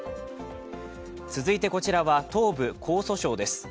続いてこちらは東部・江蘇省です。